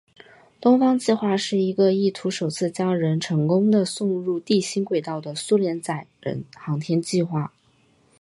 东方计划是一个意图首次将人成功地送入地心轨道的苏联载人航天计划。